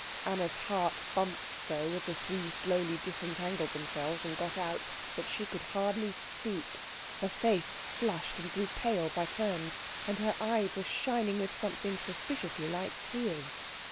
Anna's heart bumped so as the three slowly disentangled themselves and got out, that she could hardly speak. Her face flushed and grew pale by turns, and her eyes were shining with something suspiciously like tears.